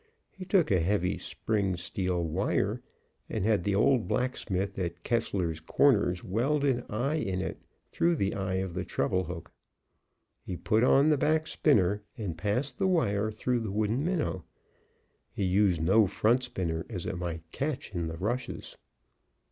He took a heavy, spring steel wire, and had the old blacksmith at Kessler's Corners weld an eye in it through the eye of the treble hook. He put on the back spinner, and passed the wire through the wooden minnow. He used no front spinner, as it might catch in the rushes.